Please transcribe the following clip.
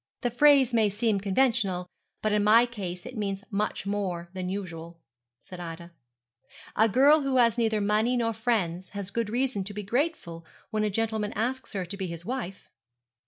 'The phrase may seem conventional, but in my case it means much more than usual,' said Ida; 'a girl who has neither money nor friends has good reason to be grateful when a gentleman asks her to be his wife.'